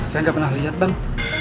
saya gak pernah liat bang